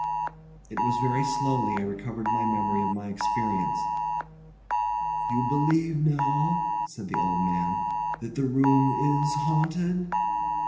It was very slowly I recovered my memory of my experience. "You believe now," said the old man, "that the room is haunted?"